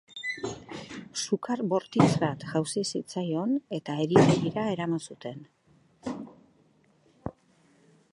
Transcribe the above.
Sukar bortitz bat jauzi zitzaion eta eritegira eraman zuten.